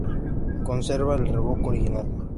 Conserva el revoco original.